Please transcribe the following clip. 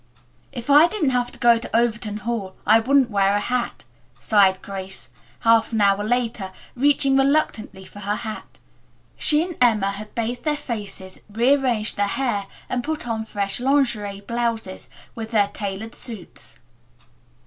"If I didn't have to go on to Overton Hall I wouldn't wear a hat," sighed Grace, half an hour later, reaching reluctantly for her hat. She and Emma had bathed their faces, rearranged their hair, and put on fresh lingerie blouses with their tailored suits.